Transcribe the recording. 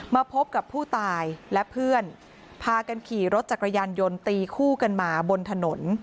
มาพบกับผู้ตายและเพื่อนพากันขี่รถจักรยานยนต์ตีคู่กันมาบนถนน